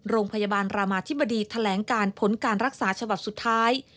โรงพยาบาลรามาธิบดีแถลงการผลการรักษาฉบับสุดท้าย